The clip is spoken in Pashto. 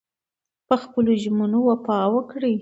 په خپلو ژمنو وفا وکړئ.